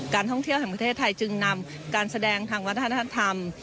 ท่องเที่ยวแห่งประเทศไทยจึงนำการแสดงทางวัฒนธรรม